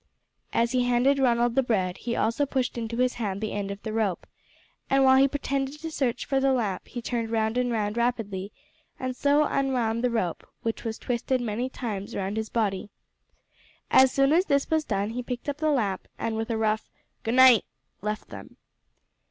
As he handed Ronald the bread he also pushed into his hand the end of the rope, and while he pretended to search for the lamp he turned round and round rapidly, and so unwound the rope, which was twisted many times round his body. As soon as this was done he picked up the lamp, and with a rough "Goodnight," left them.